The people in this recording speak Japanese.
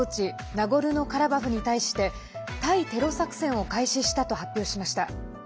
ナゴルノカラバフに対して対テロ作戦を開始したと発表しました。